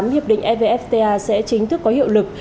hiệp định evfta sẽ chính thức có hiệu lực